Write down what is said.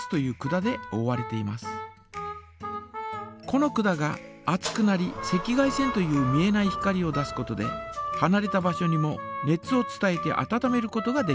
この管が熱くなり赤外線という見えない光を出すことではなれた場所にも熱を伝えてあたためることができます。